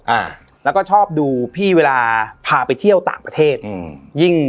อ่าแล้วก็ชอบดูพี่เวลาพาไปเที่ยวต่างประเทศอืมยิ่ง